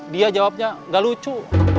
dia jawabnya gak lucu